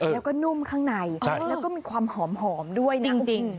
แล้วก็นุ่มข้างในแล้วก็มีความหอมด้วยนะ